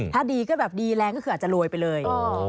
ถ้าดีก็แบบดีแรงก็คืออาจจะรวยไปเลย